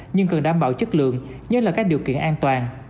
nhưng cần đảm bảo chất lượng nhất là các điều kiện an toàn